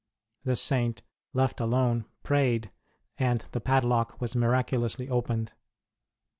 The Saint, left alone, prayed, and the padlock was miraculously opened.